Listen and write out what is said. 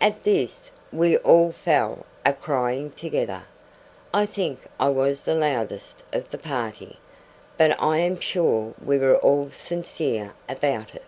At this, we all fell a crying together. I think I was the loudest of the party, but I am sure we were all sincere about it.